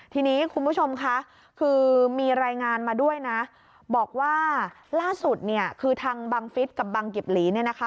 ทีนี้คุณผู้ชมคะคือมีรายงานมาด้วยนะบอกว่าล่าสุดเนี่ยคือทางบังฟิศกับบังกิบหลีเนี่ยนะคะ